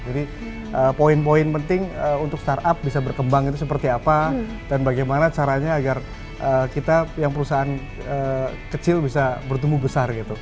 jadi poin poin penting untuk startup bisa berkembang itu seperti apa dan bagaimana caranya agar kita yang perusahaan kecil bisa bertumbuh besar gitu